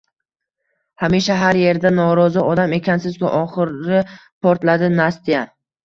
Hamisha har yerda norozi odam ekansiz-ku! – oxiri portladi Nastya.